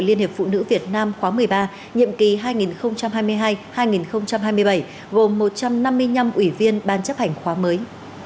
liên hiệp phụ nữ việt nam khóa một mươi ba nhiệm kỳ hai nghìn hai mươi hai hai nghìn hai mươi bảy gồm một trăm năm mươi năm ủy viên ban chấp hành khóa mới